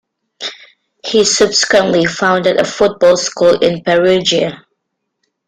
He subsequently founded a football school in Perugia.